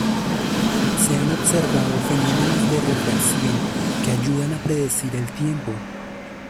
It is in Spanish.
Se han observado fenómenos de refracción que ayudan a predecir el tiempo.